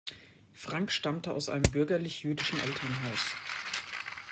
Frank stammte aus einem bürgerlich-jüdischen Elternhaus.